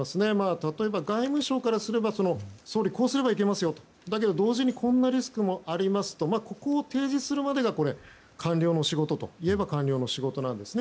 例えば、外務省からすれば総理、こうすればいけますよですが同時にこんなリスクもありますとここを提示するまでが官僚の仕事といえば官僚の仕事なんですね。